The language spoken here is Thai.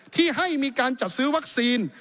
ที่ให้มีการจัดซื้อวัคซีน